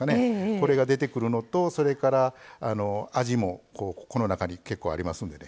これが出てくるのと、それから味も、この中に結構、ありますのでね